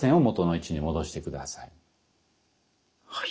はい。